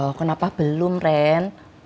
loh kenapa belum ren